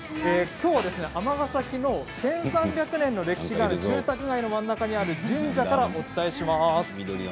きょうは尼崎の１３００年の歴史がある住宅街の真ん中にある神社からお伝えします。